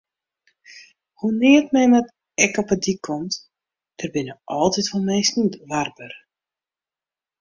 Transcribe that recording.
Hoenear't men ek op 'e dyk komt, der binne altyd wol minsken warber.